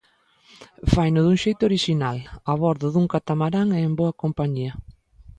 Faino dun xeito orixinal, a bordo dun catamarán e en boa compañía.